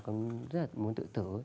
rất là muốn tự tử